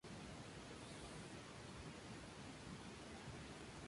Estos diagramas de estado describen aspectos del comportamiento de un sistema.